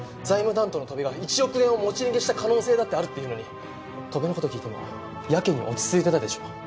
財務担当の戸部が１億円を持ち逃げした可能性だってあるっていうのに戸部のこと聞いてもやけに落ち着いてたでしょ。